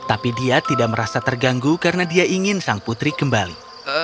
tapi dia tidak merasa terganggu karena dia ingin sang putri kembali